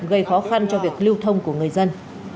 gây khó khăn cho việc lưu thông của người dân